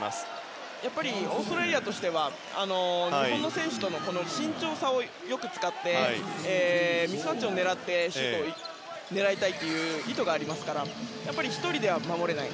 オーストラリアとしては日本の選手との身長差をよく使って、ミスマッチを狙ってシュートを狙いたいという意図がありますから１人では守れない。